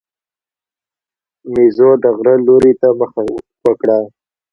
مېزو د غره لوري ته مخه وکړه.